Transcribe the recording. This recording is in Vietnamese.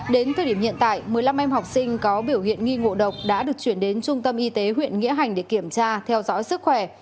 đến thời điểm hiện tại một mươi năm em học sinh có biểu hiện nghi ngộ độc đã được chuyển đến trung tâm y tế huyện nghĩa hành để kiểm tra theo dõi sức khỏe